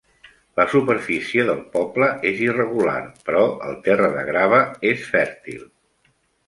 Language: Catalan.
La superfície del poble és irregular, però el terra de grava és fèrtil.